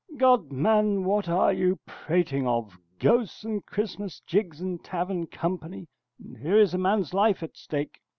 God, man, what are you prating of ghosts and Christmas jigs and tavern company and here is a man's life at stake!